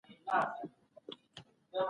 زده کړه خزانه ده چې هر ځای له خپل خاوند سره ځي.